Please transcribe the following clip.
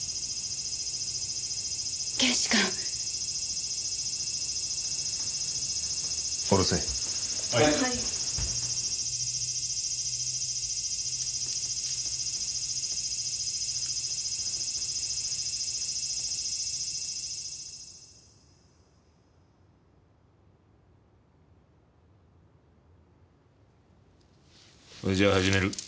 それじゃあ始める。